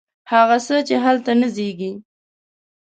هغه څه، چې هلته نه زیږي